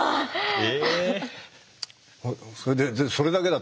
え。